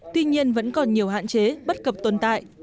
tuy nhiên vẫn còn nhiều hạn chế bất cập tồn tại